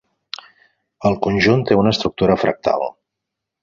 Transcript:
El conjunt té una estructura fractal.